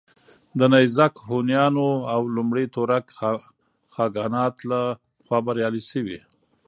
د نېزاک هونيانو او لومړي تورک خاگانات له خوا بريالي شوي